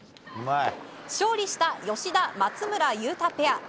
勝利した吉田、松村雄太ペア。